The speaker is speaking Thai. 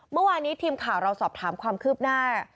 เมื่อวานนี้ทีมข่าวเราสอบถามความคืบหน้า